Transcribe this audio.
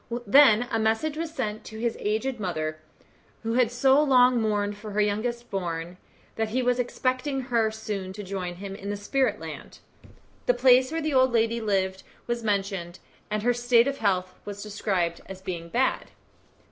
Then a message was sent to his aged mother, who had so long mourned for her youngest born, that he was expecting her soon to join him in the spirit land. The place where the old lady lived was mentioned, and her state of health was described as being bad.